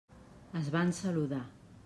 Es van saludar.